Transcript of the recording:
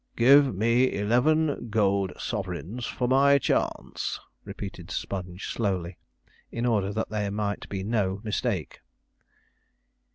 'Give me eleven golden sovereigns for my chance,' repeated Sponge slowly, in order that there might be no mistake.